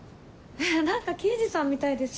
何か刑事さんみたいですね。